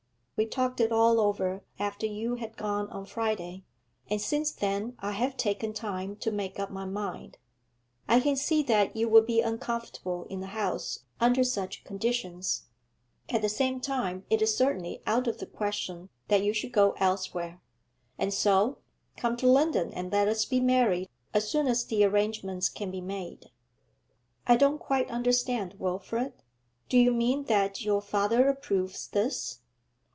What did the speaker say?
We talked it all over after you had gone on Friday, and since then I have taken time to make up my mind. I can see that you would be uncomfortable in the house under such conditions; at the same time it is certainly out of the question that you should go elsewhere; and so come to London and let us be married as soon as the arrangements can be made.' 'I don't quite understand, Wilfrid. Do you mean that your father approves this?'